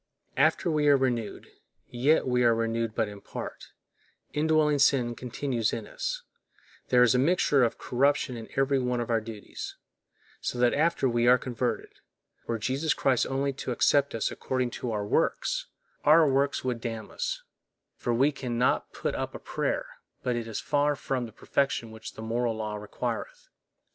After we are renewed, yet we are renewed but in part, indwelling sin continues in us, there is a mixture of corruption in every one of our duties; so that after we are converted, were Jesus Christ only to accept us according to our works, our works would damn us, for we can not put up a prayer but it is far from that perfection which the moral law requireth.